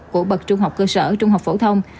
của bậc trung học cơ sở trung học phổ thông